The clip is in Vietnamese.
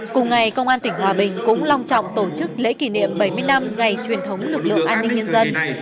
cùng ngày công an tỉnh hòa bình cũng long trọng tổ chức lễ kỷ niệm bảy mươi năm ngày truyền thống lực lượng an ninh nhân dân